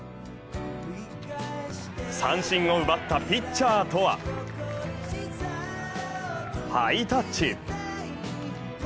三振を奪ったピッチャーとはハイタッチ。